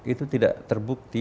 itu tidak terbukti